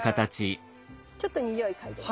ちょっとにおい嗅いでみて。